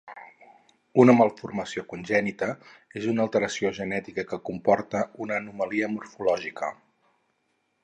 Una malformació congènita és una alteració genètica que comporta una anomalia morfològica.